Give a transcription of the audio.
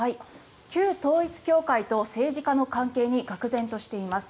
旧統一教会と政治家の関係にがくぜんとしています。